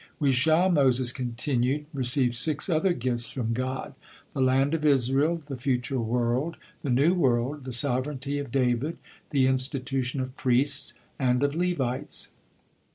"We shall," Moses continued, "receive six other gifts from God, the land of Israel, the future world, the new world, the sovereignty of David, the institution of priests, and of Levites."